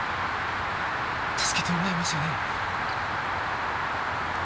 助けてもらえますよね？